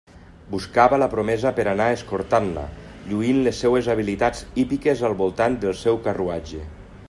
Buscava la promesa per a anar escortant-la, lluint les seues habilitats hípiques al voltant del seu carruatge.